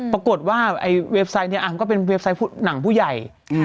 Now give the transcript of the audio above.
ปรากฏว่าเว็บไซต์เนี่ยมันก็เป็นเว็บไซต์หนังผู้ใหญ่